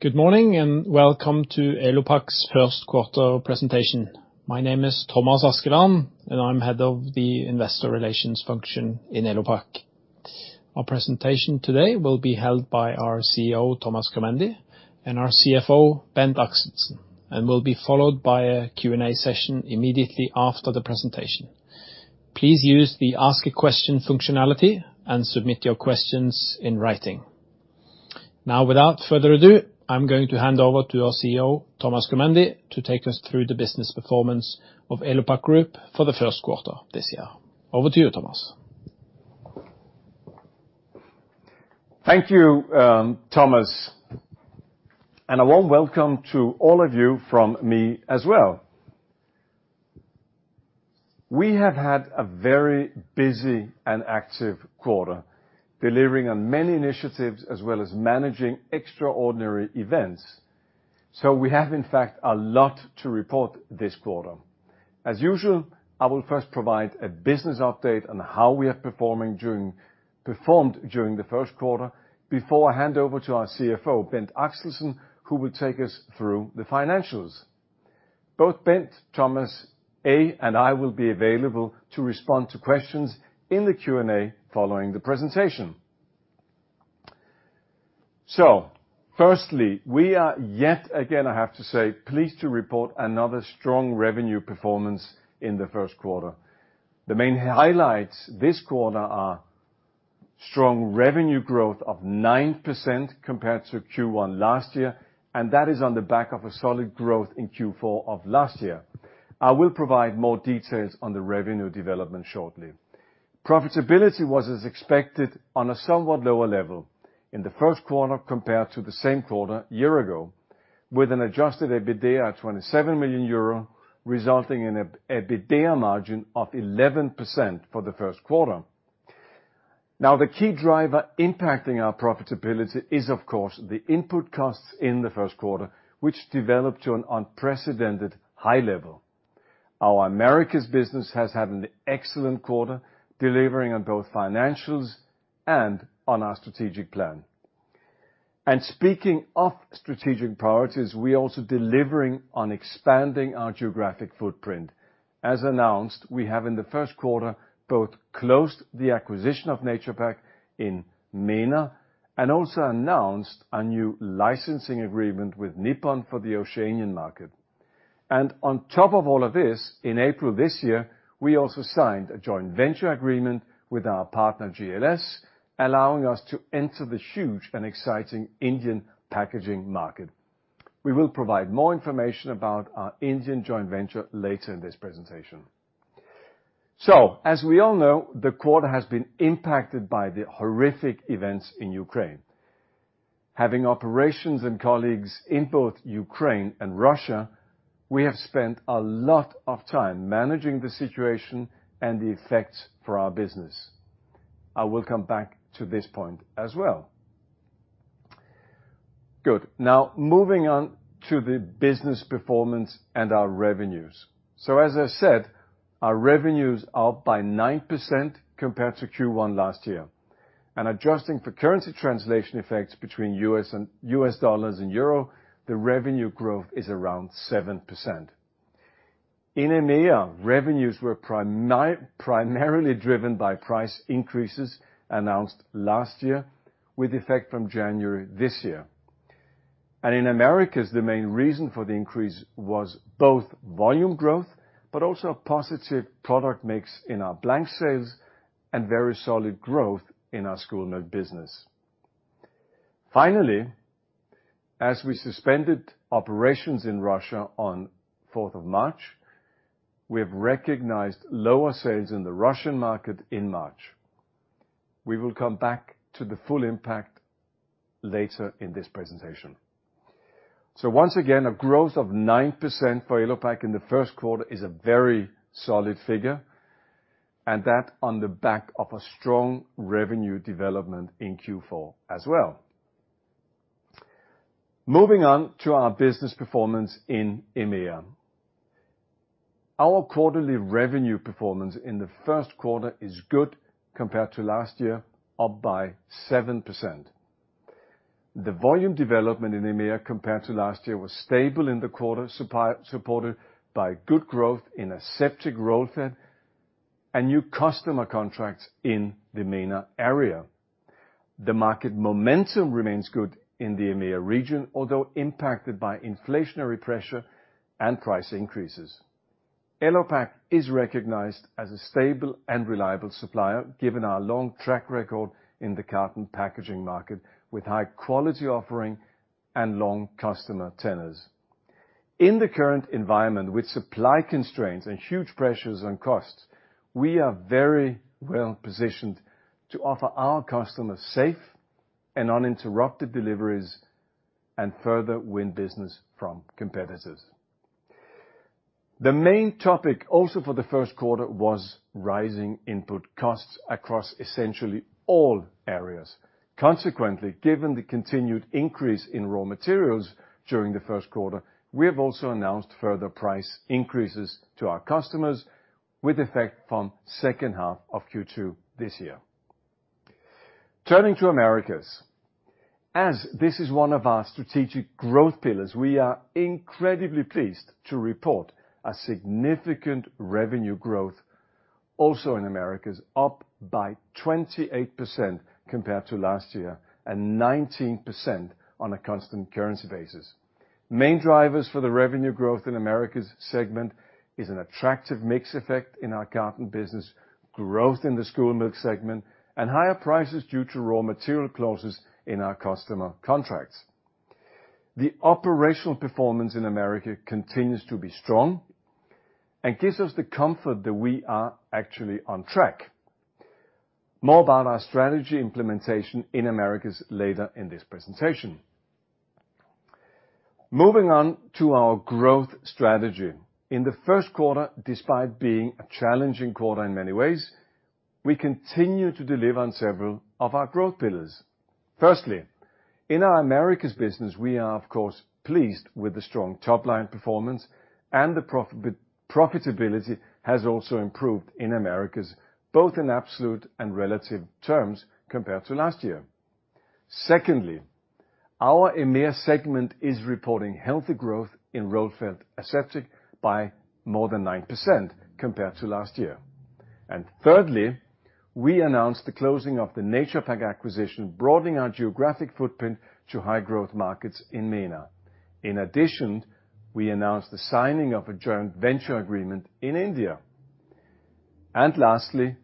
Good morning, and welcome to Elopak's Q1 Presentation. My name is Thomas Askeland, and I'm Head of the Investor Relations Function in Elopak. Our presentation today will be held by our CEO, Thomas Körmendi, and our CFO, Bent Axelsen, and will be followed by a Q&A session immediately after the presentation. Please use the ask a question functionality and submit your questions in writing. Now, without further do, I'm going to hand over to our CEO, Thomas Körmendi, to take us through the business performance of Elopak Group for the Q1 this year. Over to you, Thomas. Thank you, Thomas, and a warm welcome to all of you from me as well. We have had a very busy and active quarter, delivering on many initiatives as well as managing extraordinary events. We have, in fact, a lot to report this quarter. As usual, I will first provide a business update on how we performed during the Q1 before I hand over to our CFO, Bent Axelsen, who will take us through the financials. Both Bent, Thomas A., and I will be available to respond to questions in the Q&A following the presentation. Firstly, we are yet again, I have to say, pleased to report another strong revenue performance in the Q1. The main highlights this quarter are strong revenue growth of 9% compared to Q1 last year, and that is on the back of a solid growth in Q4 of last year. I will provide more details on the revenue development shortly. Profitability was as expected on a somewhat lower level in the Q1 compared to the same quarter a year ago, with an adjusted EBITDA of 27 million euro, resulting in an EBITDA margin of 11% for the Q1. Now, the key driver impacting our profitability is, of course, the input costs in the Q1, which developed to an unprecedented high level. Our Americas business has had an excellent quarter, delivering on both financials and on our strategic plan. Speaking of strategic priorities, we're also delivering on expanding our geographic footprint. As announced, we have in the Q1 both closed the acquisition of Naturepak in MENA and also announced a new licensing agreement with Nippon for the Oceanian market. On top of all of this, in April this year, we also signed a joint venture agreement with our partner GLS, allowing us to enter the huge and exciting Indian packaging market. We will provide more information about our Indian joint venture later in this presentation. As we all know, the quarter has been impacted by the horrific events in Ukraine. Having operations and colleagues in both Ukraine and Russia, we have spent a lot of time managing the situation and the effects for our business. I will come back to this point as well. Good. Now, moving on to the business performance and our revenues. As I said, our revenues are up by 9% compared to Q1 last year. Adjusting for currency translation effects between US dollars and Euro, the revenue growth is around 7%. In EMEA, revenues were primarily driven by price increases announced last year with effect from January this year. In the Americas, the main reason for the increase was both volume growth, but also a positive product mix in our blank sales and very solid growth in our school milk business. Finally, as we suspended operations in Russia on 4th of March, we have recognized lower sales in the Russian market in March. We will come back to the full impact later in this presentation. Once again, a growth of 9% for Elopak in the Q1 is a very solid figure, and that on the back of a strong revenue development in Q4 as well. Moving on to our business performance in EMEA. Our quarterly revenue performance in the Q1 is good compared to last year, up by 7%. The volume development in EMEA compared to last year was stable in the quarter, supported by good growth in Aseptic roll-fed and new customer contracts in the MENA area. The market momentum remains good in the EMEA region, although impacted by inflationary pressure and price increases. Elopak is recognized as a stable and reliable supplier, given our long track record in the carton packaging market with high-quality offering and long customer tenures. In the current environment with supply constraints and huge pressures on costs, we are very well-positioned to offer our customers safe and uninterrupted deliveries and further win business from competitors. The main topic also for the Q1 was rising input costs across essentially all areas. Consequently, given the continued increase in raw materials during the Q1, we have also announced further price increases to our customers. With effect from H2 of Q2 this year. Turning to Americas, as this is one of our strategic growth pillars, we are incredibly pleased to report a significant revenue growth also in Americas, up by 28% compared to last year, and 19% on a constant currency basis. Main drivers for the revenue growth in Americas segment is an attractive mix effect in our carton business, growth in the school milk segment, and higher prices due to raw material clauses in our customer contracts. The operational performance in America continues to be strong and gives us the comfort that we are actually on track. More about our strategy implementation in Americas later in this presentation. Moving on to our growth strategy. In the Q1, despite being a challenging quarter in many ways, we continue to deliver on several of our growth pillars. Firstly, in our Americas business, we are of course, pleased with the strong top-line performance, and the profitability has also improved in Americas, both in absolute and relative terms compared to last year. Secondly, our EMEA segment is reporting healthy growth in roll-fed aseptic by more than 9% compared to last year. Thirdly, we announced the closing of the Naturepak acquisition, broadening our geographic footprint to high-growth markets in MENA. In addition, we announced the signing of a joint venture agreement in India. Lastly,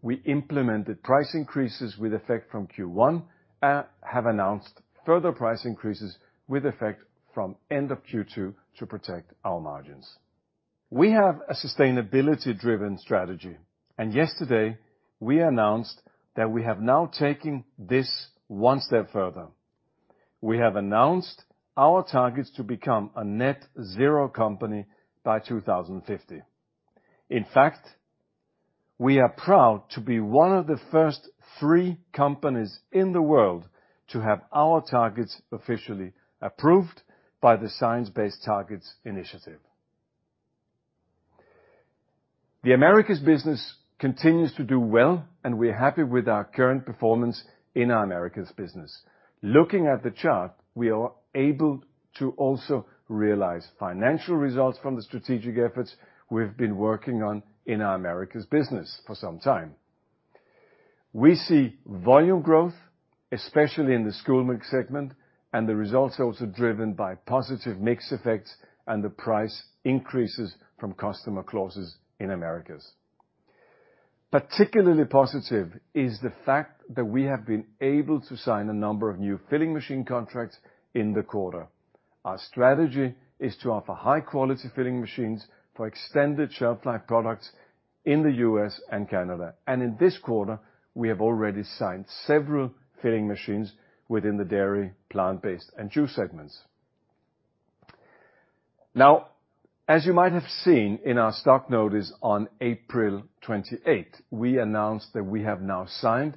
we implemented price increases with effect from Q1, have announced further price increases with effect from end of Q2 to protect our margins. We have a sustainability-driven strategy, and yesterday we announced that we have now taken this one step further. We have announced our targets to become a net zero company by 2050. In fact, we are proud to be one of the first three companies in the world to have our targets officially approved by the Science Based Targets initiative. The Americas business continues to do well, and we're happy with our current performance in our Americas business. Looking at the chart, we are able to also realize financial results from the strategic efforts we've been working on in our Americas business for some time. We see volume growth, especially in the school milk segment, and the results are also driven by positive mix effects and the price increases from customer clauses in Americas. Particularly positive is the fact that we have been able to sign a number of new filling machine contracts in the quarter. Our strategy is to offer high-quality filling machines for extended shelf-life products in the U.S. and Canada. In this quarter, we have already signed several filling machines within the dairy, plant-based, and juice segments. Now, as you might have seen in our stock notice on April 28, we announced that we have now signed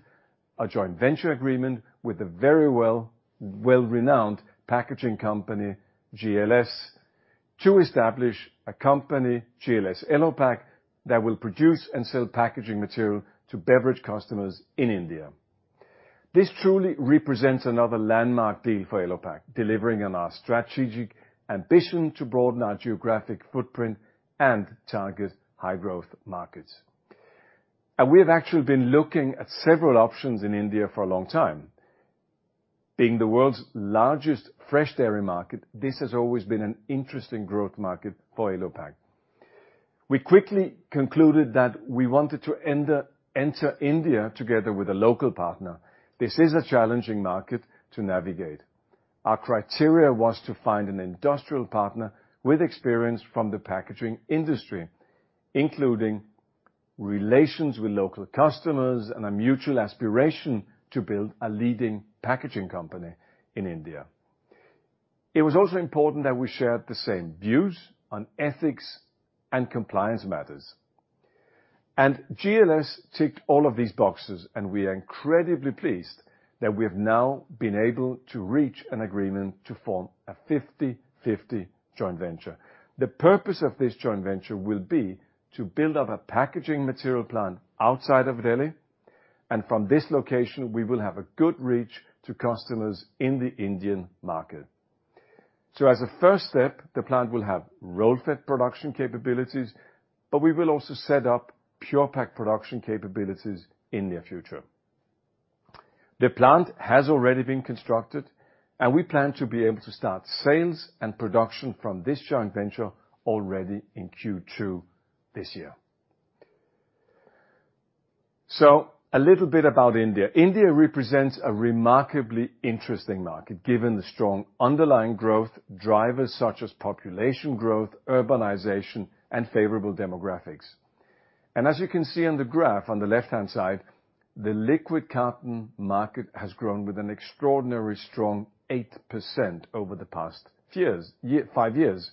a joint venture agreement with a very well-renowned packaging company, GLS, to establish a company, GLS Elopak, that will produce and sell packaging material to beverage customers in India. This truly represents another landmark deal for Elopak, delivering on our strategic ambition to broaden our geographic footprint and target high-growth markets. We have actually been looking at several options in India for a long time. Being the world's largest fresh dairy market, this has always been an interesting growth market for Elopak. We quickly concluded that we wanted to enter India together with a local partner. This is a challenging market to navigate. Our criteria were to find an industrial partner with experience from the packaging industry, including relations with local customers and a mutual aspiration to build a leading packaging company in India. It was also important that we shared the same views on ethics and compliance matters. GLS ticked all of these boxes, and we are incredibly pleased that we have now been able to reach an agreement to form a 50/50 joint venture. The purpose of this joint venture will be to build up a packaging material plant outside of Delhi, and from this location, we will have a good reach to customers in the Indian market. As a first step, the plant will have roll-fed production capabilities, but we will also set up Pure-Pak production capabilities in near future. The plant has already been constructed, and we plan to be able to start sales and production from this joint venture already in Q2 this year. A little bit about India. India represents a remarkably interesting market, given the strong underlying growth drivers such as population growth, urbanization, and favorable demographics. As you can see on the graph on the left-hand side, the liquid carton market has grown with an extraordinarily strong 8% over the past five years.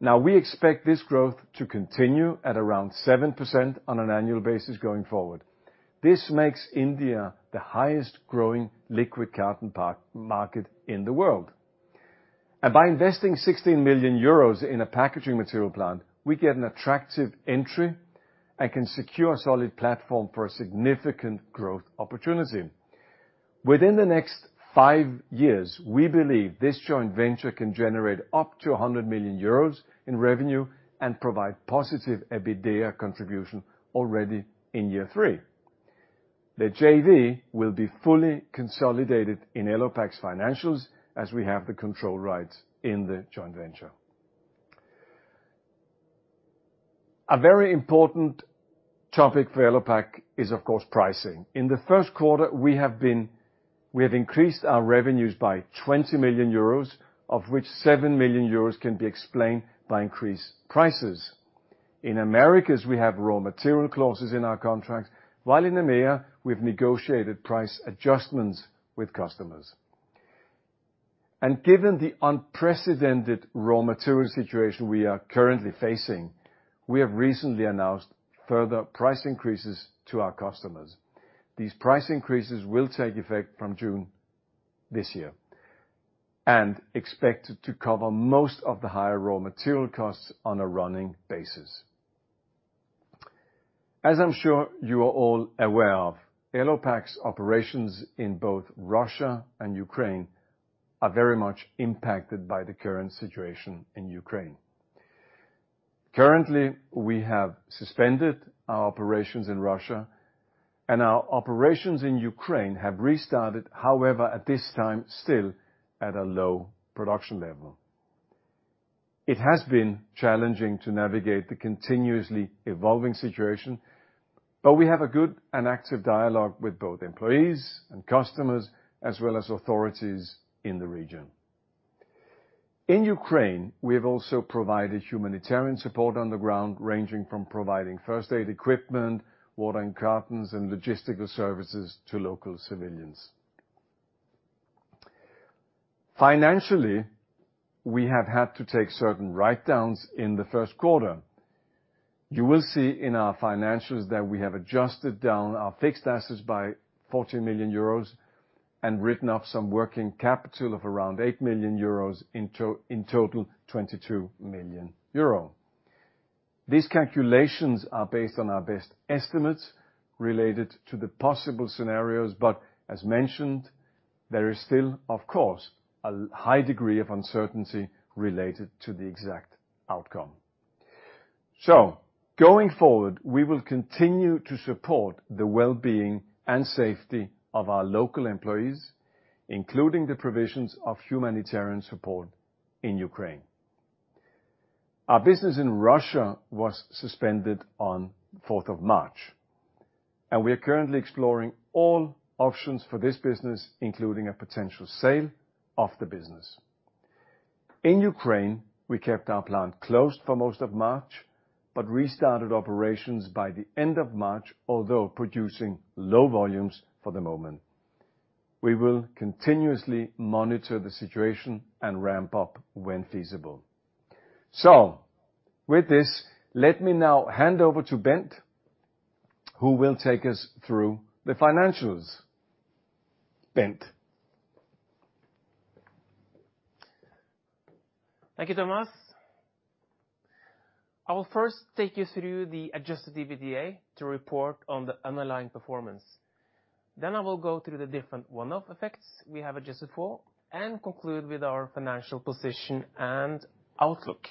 Now we expect this growth to continue at around 7% on an annual basis going forward. This makes India the highest growing liquid carton market in the world. By investing 16 million euros in a packaging material plant, we get an attractive entry and can secure a solid platform for a significant growth opportunity. Within the next five years, we believe this joint venture can generate up to 100 million euros in revenue and provide positive EBITDA contribution already in year three. The JV will be fully consolidated in Elopak's financials as we have the control rights in the joint venture. A very important topic for Elopak is, of course, pricing. In the Q1, we have increased our revenues by 20 million euros, of which 7 million euros can be explained by increased prices. In Americas, we have raw material clauses in our contracts, while in EMEA we've negotiated price adjustments with customers. Given the unprecedented raw material situation we are currently facing, we have recently announced further price increases to our customers. These price increases will take effect from June this year and expected to cover most of the higher raw material costs on a running basis. As I'm sure you are all aware of, Elopak's operations in both Russia and Ukraine are very much impacted by the current situation in Ukraine. Currently, we have suspended our operations in Russia, and our operations in Ukraine have restarted, however, at this time, still at a low production level. It has been challenging to navigate the continuously evolving situation, but we have a good and active dialogue with both employees and customers, as well as authorities in the region. In Ukraine, we have also provided humanitarian support on the ground, ranging from providing first aid equipment, water and cartons, and logistical services to local civilians. Financially, we have had to take certain write-downs in the Q1. You will see in our financials that we have adjusted down our fixed assets by 14 million euros and written off some working capital of around 8 million euros, in total, 22 million euro. These calculations are based on our best estimates related to the possible scenarios, but as mentioned, there is still, of course, a high degree of uncertainty related to the exact outcome. Going forward, we will continue to support the well-being and safety of our local employees, including the provisions of humanitarian support in Ukraine. Our business in Russia was suspended on 4th of March, and we are currently exploring all options for this business, including a potential sale of the business. In Ukraine, we kept our plant closed for most of March, but restarted operations by the end of March, although producing low volumes for the moment. We will continuously monitor the situation and ramp up when feasible. With this, let me now hand over to Bent, who will take us through the financials. Bent? Thank you, Thomas. I will first take you through the adjusted EBITDA to report on the underlying performance. Then I will go through the different one-off effects we have adjusted for and conclude with our financial position and outlook.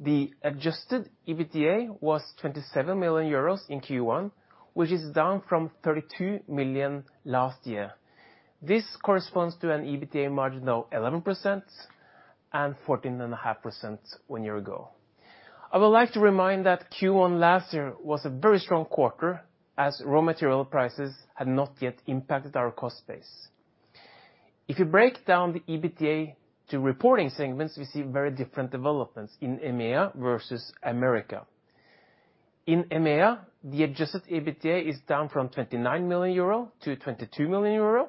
The adjusted EBITDA was 27 million euros in Q1, which is down from 32 million last year. This corresponds to an EBITDA margin of 11% and 14.5% one year ago. I would like to remind that Q1 last year was a very strong quarter, as raw material prices had not yet impacted our cost base. If you break down the EBITDA to reporting segments, we see very different developments in EMEA versus America. In EMEA, the adjusted EBITDA is down from 29 million euro to 22 million euro.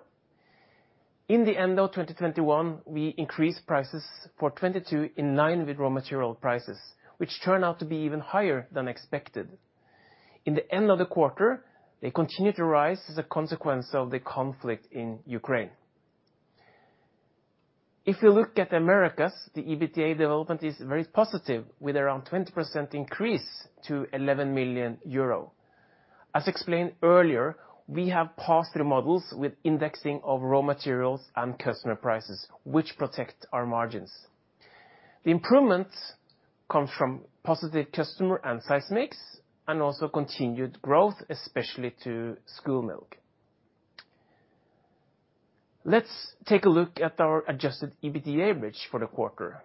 In the end of 2021, we increased prices for 2022 in line with raw material prices, which turn out to be even higher than expected. In the end of the quarter, they continued to rise as a consequence of the conflict in Ukraine. If you look at Americas, the EBITDA development is very positive, with around 20% increase to 11 million euro. As explained earlier, we have pass-through models with indexing of raw materials and customer prices, which protect our margins. The improvements come from positive customer and size mix, and also continued growth, especially to school milk. Let's take a look at our adjusted EBITDA bridge for the quarter.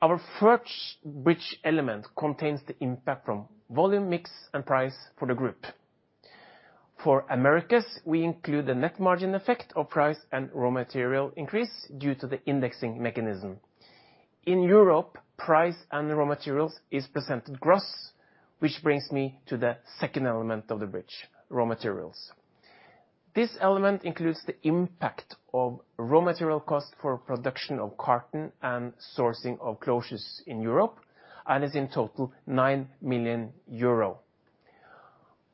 Our first bridge element contains the impact from volume mix and price for the group. For Americas, we include the net margin effect of price and raw material increase due to the indexing mechanism. In Europe, price and raw materials is presented gross, which brings me to the second element of the bridge, raw materials. This element includes the impact of raw material cost for production of carton and sourcing of closures in Europe and is in total 9 million euro.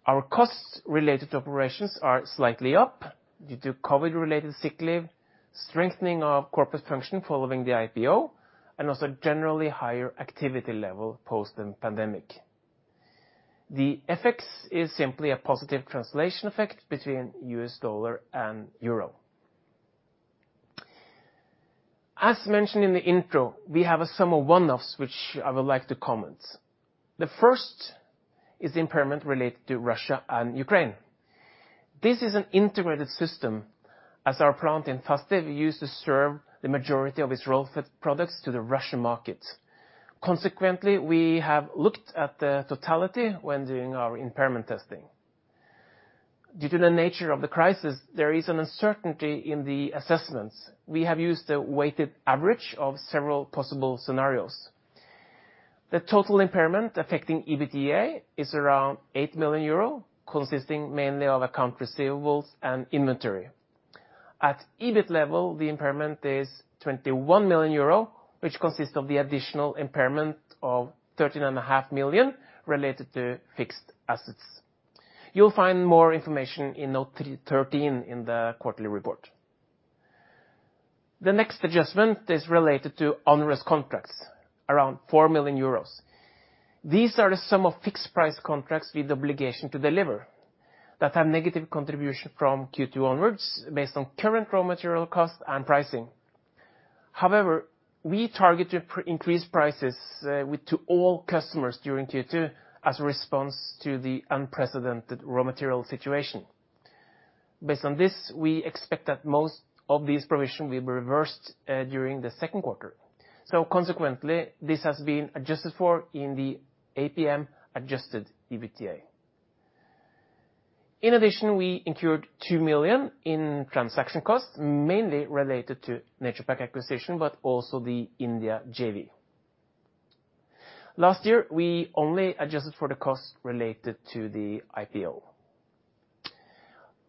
Our costs related to operations are slightly up due to COVID related sick leave, strengthening of corporate function following the IPO and also generally higher activity level post the pandemic. The effects is simply a positive translation effect between US dollar and Euro. As mentioned in the intro, we have a sum of one-offs which I would like to comment. The first is impairment related to Russia and Ukraine. This is an integrated system as our plant in Fastiv used to serve the majority of its roll-fed products to the Russian markets. Consequently, we have looked at the totality when doing our impairment testing. Due to the nature of the crisis, there is an uncertainty in the assessments. We have used the weighted average of several possible scenarios. The total impairment affecting EBITDA is around 8 million euro, consisting mainly of accounts receivable and inventory. At EBIT level, the impairment is 21 million euro, which consists of the additional impairment of 13.5 million related to fixed assets. You'll find more information in note 13 in the quarterly report. The next adjustment is related to onerous contracts, around 4 million euros. These are the sum of fixed price contracts with the obligation to deliver that have negative contribution from Q2 onwards based on current raw material costs and pricing. However, we targeted increased prices to all customers during Q2 as a response to the unprecedented raw material situation. Based on this, we expect that most of these provisions will be reversed during the Q2. Consequently, this has been adjusted for in the APM adjusted EBITDA. In addition, we incurred 2 million in transaction costs, mainly related to Naturepak acquisition, but also the India JV. Last year, we only adjusted for the cost related to the IPO.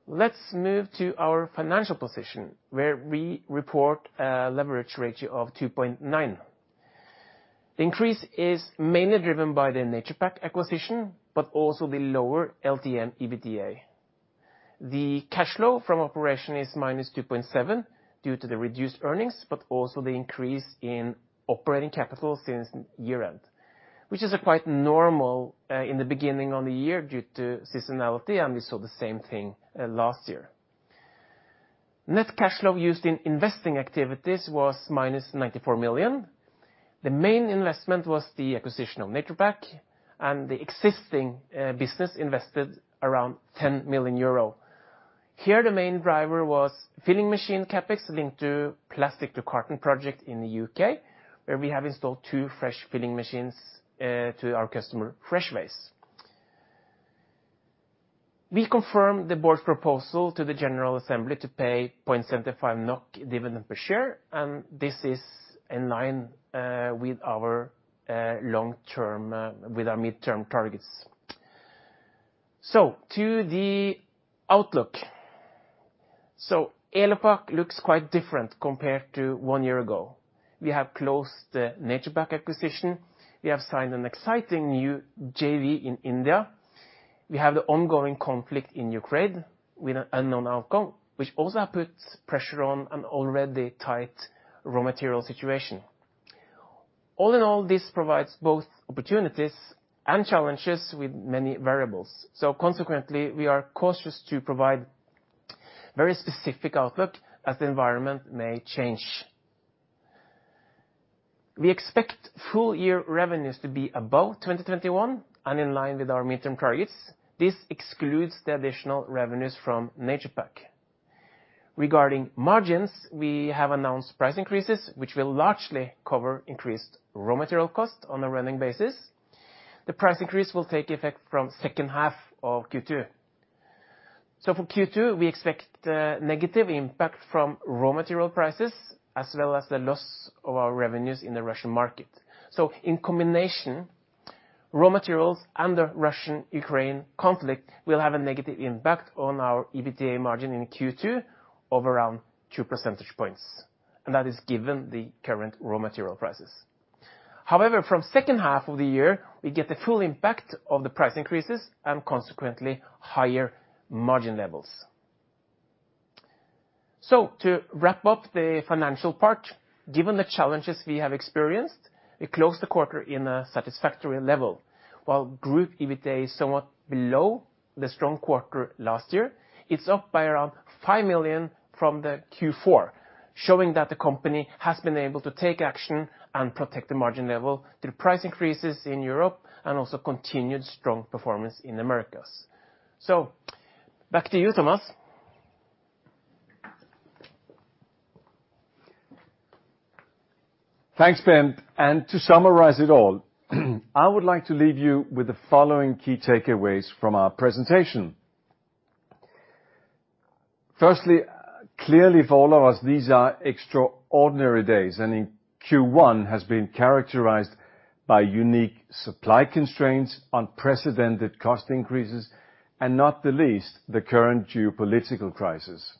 Let's move to our financial position, where we report a leverage ratio of 2.9. Increase is mainly driven by the Naturepak acquisition, but also the lower LTM EBITDA. The cash flow from operations is -2.7 million due to the reduced earnings, but also the increase in operating capital since year-end, which is quite normal in the beginning of the year due to seasonality, and we saw the same thing last year. Net cash flow used in investing activities was -94 million. The main investment was the acquisition of Naturepak and the existing business invested around 10 million euro. Here, the main driver was filling machine CapEx linked to plastic to carton project in the UK, where we have installed two fresh filling machines to our customer Freshways. We confirm the board's proposal to the general assembly to pay 0.75 NOK dividend per share, and this is in line with our long term, with our midterm targets. To the outlook. Elopak looks quite different compared to one year ago. We have closed the Naturepak acquisition. We have signed an exciting new JV in India. We have the ongoing conflict in Ukraine with an unknown outcome, which also have put pressure on an already tight raw material situation. All in all, this provides both opportunities and challenges with many variables. Consequently, we are cautious to provide very specific outlook as the environment may change. We expect full year revenues to be above 2021 and in line with our midterm targets. This excludes the additional revenues from Naturepak. Regarding margins, we have announced price increases, which will largely cover increased raw material cost on a running basis. The price increase will take effect from H2 of Q2. For Q2, we expect negative impact from raw material prices as well as the loss of our revenues in the Russian market. In combination, raw materials and the Russian-Ukraine conflict will have a negative impact on our EBITDA margin in Q2 of around 2 percentage points, and that is given the current raw material prices. However, from H2 of the year, we get the full impact of the price increases and consequently higher margin levels. To wrap up the financial part, given the challenges we have experienced, we closed the quarter in a satisfactory level. While group EBITDA is somewhat below the strong quarter last year, it's up by around 5 million from the Q4, showing that the company has been able to take action and protect the margin level through price increases in Europe and also continued strong performance in Americas. Back to you, Thomas. Thanks, Bent. To summarize it all, I would like to leave you with the following key takeaways from our presentation. Firstly, clearly for all of us, these are extraordinary days, and Q1 has been characterized by unique supply constraints, unprecedented cost increases, and not the least, the current geopolitical crisis.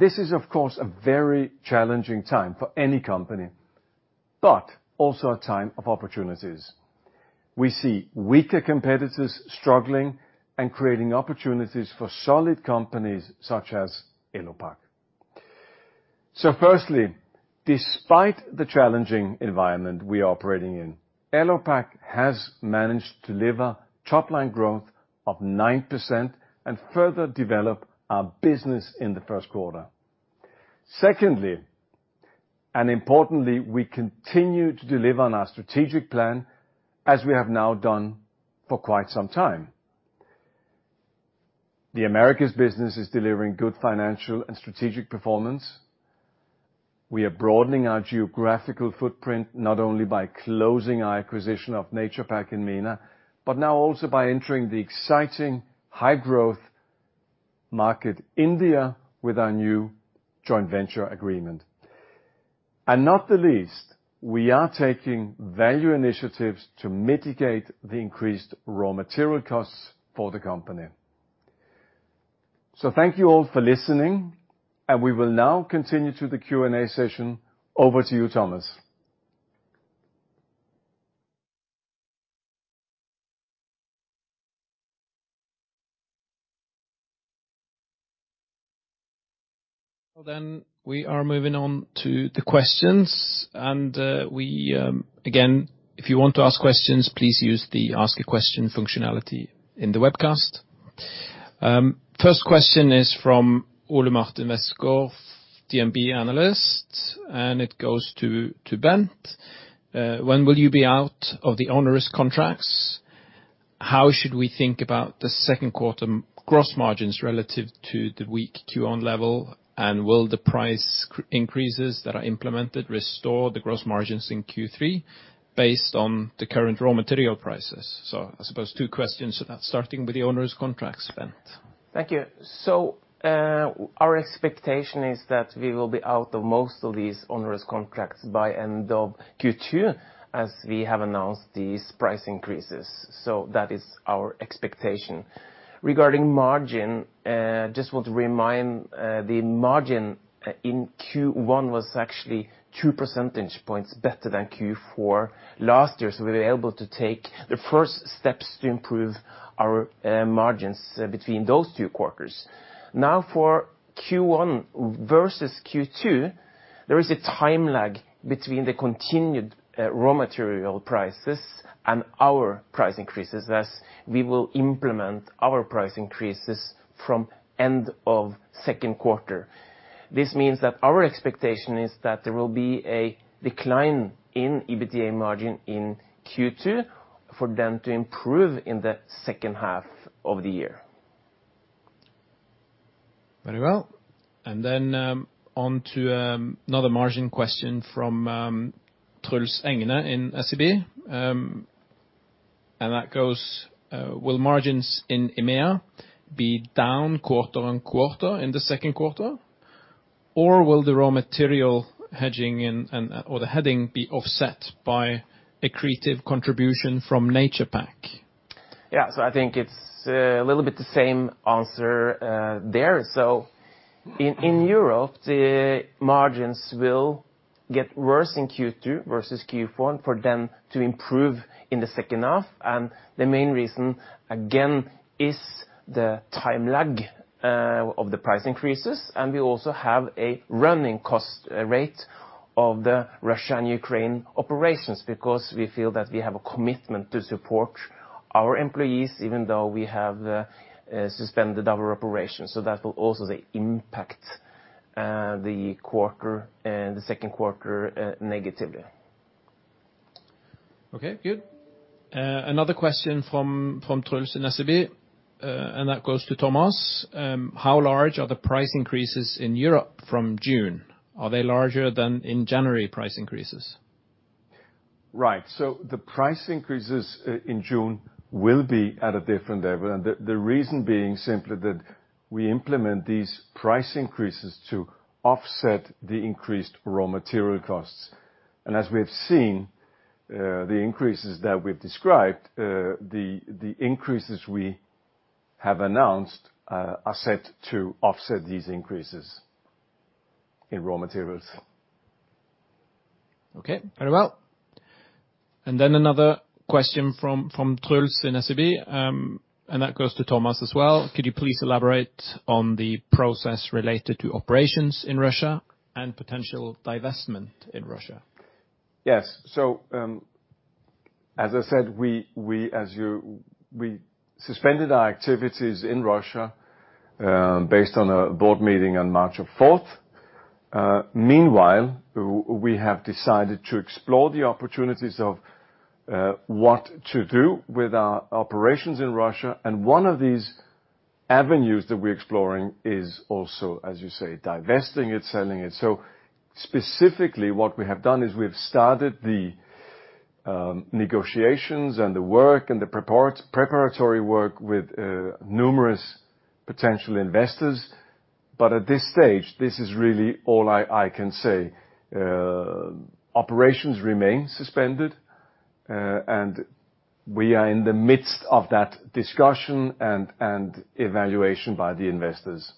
This is, of course, a very challenging time for any company, but also a time of opportunities. We see weaker competitors struggling and creating opportunities for solid companies such as Elopak. Firstly, despite the challenging environment we are operating in, Elopak has managed to deliver top line growth of 9% and further develop our business in the Q1. Secondly, and importantly, we continue to deliver on our strategic plan, as we have now done for quite some time. The Americas business is delivering good financial and strategic performance. We are broadening our geographical footprint not only by closing our acquisition of Naturepak in MENA, but now also by entering the exciting high growth market India with our new joint venture agreement. Not the least, we are taking value initiatives to mitigate the increased raw material costs for the company. Thank you all for listening, and we will now continue to the Q&A session. Over to you, Thomas. We are moving on to the questions. We again, if you want to ask questions, please use the ask a question functionality in the webcast. First question is from Ole Martin Westgaard, DNB Analyst, and it goes to Bent. When will you be out of the onerous contracts? How should we think about the Q2 gross margins relative to the weak Q1 level? And will the price increases that are implemented restore the gross margins in Q3 based on the current raw material prices? I suppose two questions starting with the onerous contracts, Bent. Thank you. Our expectation is that we will be out of most of these onerous contracts by end of Q2, as we have announced these price increases. That is our expectation. Regarding margin, just want to remind, the margin in Q1 was actually 2 percentage points better than Q4 last year. We were able to take the first steps to improve our margins between those two quarters. Now, for Q1 versus Q2, there is a time lag between the continued raw material prices and our price increases. Thus, we will implement our price increases from end of Q2. This means that our expectation is that there will be a decline in EBITDA margin in Q2, for them to improve in the H2 of the year. Very well. On to another margin question from Truls Engene in SEB. That goes, will margins in EMEA be down quarter-on-quarter in the Q2, or will the raw material hedging or the hedging be offset by accretive contribution from Naturepak? Yeah. I think it's a little bit the same answer there. In Europe, the margins will get worse in Q2 versus Q4 for them to improve in the H2. The main reason, again, is the time lag of the price increases. We also have a running cost rate of the Russia and Ukraine operations because we feel that we have a commitment to support our employees, even though we have suspended our operations. That will also impact the quarter, the Q2, negatively. Okay, good. Another question from Truls in SEB, and that goes to Thomas. How large are the price increases in Europe from June? Are they larger than in January price increases? Right. The price increases in June will be at a different level, and the reason being simply that we implement these price increases to offset the increased raw material costs. As we have seen, the increases we have announced are set to offset these increases in raw materials. Okay. Very well. Then another question from Truls Engene in SEB, and that goes to Thomas as well. Could you please elaborate on the process related to operations in Russia and potential divestment in Russia? Yes. As I said, we suspended our activities in Russia, based on a board meeting on March of 4th. Meanwhile, we have decided to explore the opportunities of what to do with our operations in Russia. One of these avenues that we're exploring is also, as you say, divesting it, selling it. Specifically, what we have done is we have started the negotiations and the work and the preparatory work with numerous potential investors. At this stage, this is really all I can say. Operations remain suspended, and we are in the midst of that discussion and evaluation by the investors.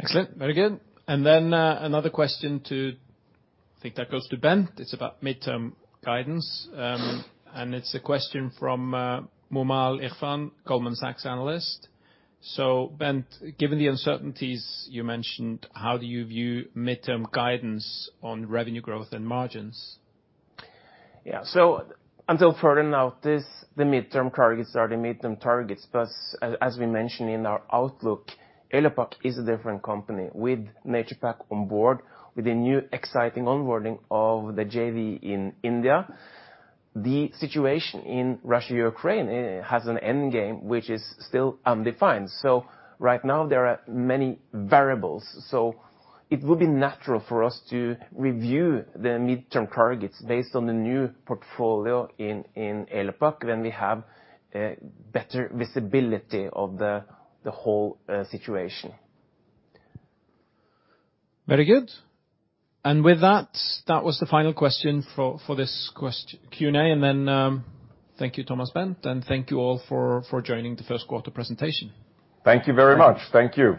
Excellent. Very good. Another question. I think that goes to Bent. It's about midterm guidance. It's a question from Moomal Irfan, Goldman Sachs Analyst. Bent, given the uncertainties you mentioned, how do you view midterm guidance on revenue growth and margins? Yeah. Until further notice, the midterm targets are the midterm targets. Plus, as we mentioned in our outlook, Elopak is a different company with Naturepak on board, with a new exciting onboarding of the JV in India. The situation in Russia, Ukraine, has an end game which is still undefined. Right now, there are many variables. It would be natural for us to review the midterm targets based on the new portfolio in Elopak when we have better visibility of the whole situation. Very good. With that was the final question for this Q&A. Thank you, Thomas, Bent, and thank you all for joining the Q1 presentation. Thank you very much. Thank you.